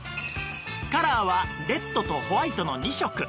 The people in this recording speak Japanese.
カラーはレッドとホワイトの２色